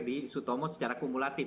di setomo secara kumulatif